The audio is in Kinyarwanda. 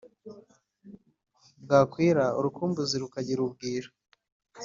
bwakwira urukumbuzi rukagira ubwira